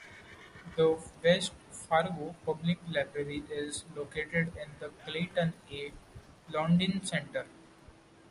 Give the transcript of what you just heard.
The West Fargo Public Library is located in the Clayton A. Lodoen Center.